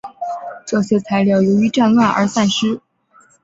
这些材料由于战乱而散失。